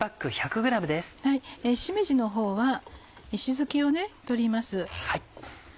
しめじのほうは石突きを取ります。